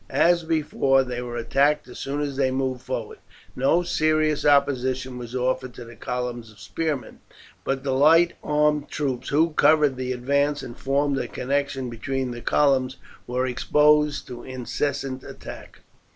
As before, they were attacked as soon as they moved forward. No serious opposition was offered to the columns of spearmen, but the light armed troops who covered the advance and formed a connection between the columns were exposed to incessant attack.